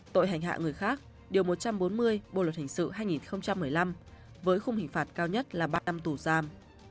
tội hành hạ người khác điều một trăm bốn mươi bộ luật hình sự hai nghìn một mươi năm với khung hình phạt cao nhất là ba năm tù giam